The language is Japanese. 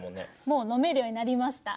もう飲めるようになりました。